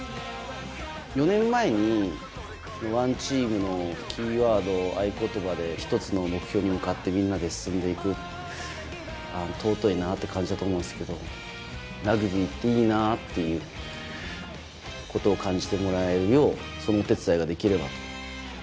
４年前にＯＮＥＴＥＡＭのキーワードを合言葉で、一つの目標に向かってみんなで進んでいく、尊いなって感じたと思うんですけど、ラグビーっていいなっていうことを感じてもらえるよう、そのお手伝いができればと。